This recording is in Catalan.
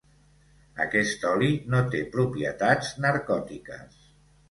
Aquest oli no té propietats narcòtiques.